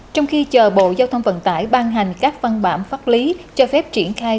trong khi chờ bộ giao thông vận tải ban hành các văn bản pháp lý cho phép triển khai